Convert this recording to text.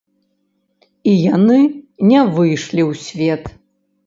І яны не выйшлі ў свет.